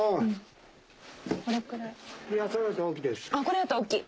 これだと大きい？